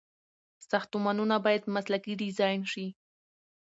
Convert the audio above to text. ساختمانونه باید مسلکي ډيزاين شي.